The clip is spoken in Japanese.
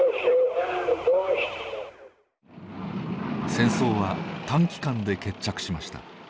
戦争は短期間で決着しました。